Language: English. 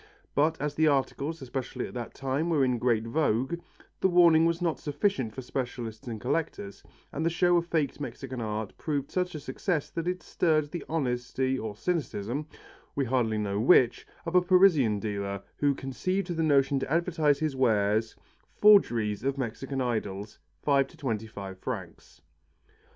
But as the articles, especially at that time, were in great vogue, the warning was not sufficient for specialists and collectors, and the show of faked Mexican art proved such a success that it stirred the honesty or cynicism, we hardly know which, of a Parisian dealer who conceived the notion to advertise his wares: "Forgeries of Mexican idols, 5 25 francs."